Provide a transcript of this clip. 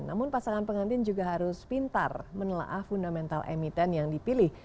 namun pasangan pengantin juga harus pintar menelaah fundamental emiten yang dipilih